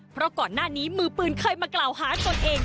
เพราะก่อนหน้านี้มือปืนเคยมากล่าวหาตนเอง